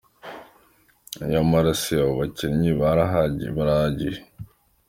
Nyamara se abo bakinnyi barahagije ?.